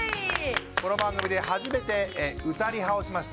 この番組で初めて歌リハをしました。